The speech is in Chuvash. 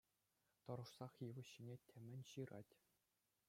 Тӑрӑшсах йывӑҫ ҫине темӗн ҫырать.